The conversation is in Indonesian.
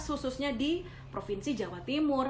khususnya di provinsi jawa timur